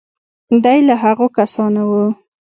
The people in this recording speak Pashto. دی له هغو کسانو و.